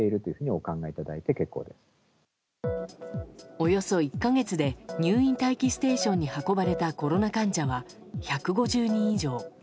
およそ１か月で入院待機ステーションに運ばれたコロナ患者は１５０人以上。